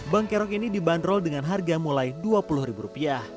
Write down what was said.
bangkerok ini dibanderol dengan harga mulai dua puluh ribu rupiah